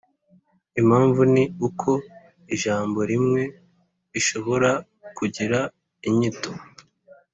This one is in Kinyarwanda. Impamvu ni uko ijambo rimwe rishobora kugira inyito